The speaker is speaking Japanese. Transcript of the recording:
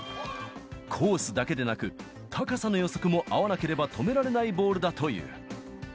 コースだけでなく、高さの予測も合わなければ、止められないボールだという。